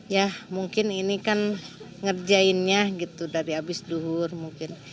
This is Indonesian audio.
ya mungkin ini kan ngerjainnya gitu dari abis duhur mungkin